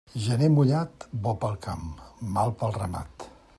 Gener mullat, bo pel camp, mal pel ramat.